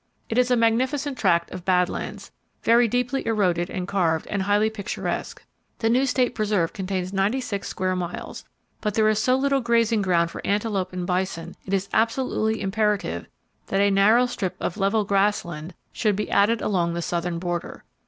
It is a magnificent tract of bad lands, very deeply eroded and carved, and highly picturesque. The new state preserve contains 96 square miles, but there is so little grazing ground for antelope and bison it is absolutely imperative that a narrow strip of level grass land should be added along the southern border.